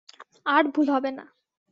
আর ভুল হবে না।